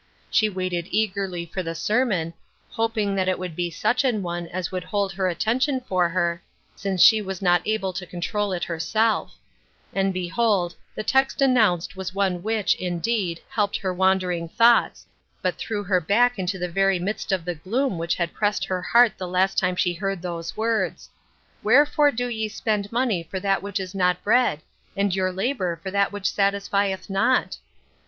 She waited eagerly for the sermon, hoping that it would be such an one as would hold her attention for her, since Wh&reforel 861 she was not able to control it herself ; and be hold, the text announced was one which, indeed, helped her wandering thoughts, but threw her back into the very midst of the gloom which had pressed her heart the last time she heard those words :" Wherefore do ye spend money for that which is not bread? and your labor for that which satisfieth not